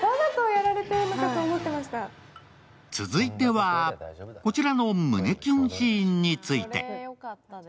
続いては、こちらの胸キュンシーンについて。